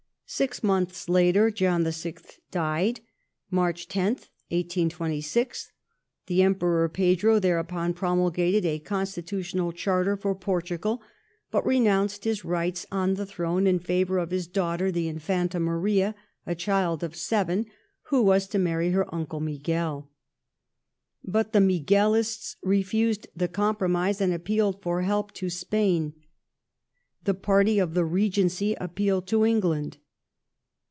Six months later John VI. died (March 10th, 1826). The Emperor Pedro thereupon promulgated a constitutional chai'ter for Portugal, but renounced his rights on the Throne in favour of his daughter, the Infanta Maria — a child of seven, who was to man*y her uncle Miguel. But the Miguelists refused the compromise and appealed for help to Spain ; the party of the Regency appealed to England.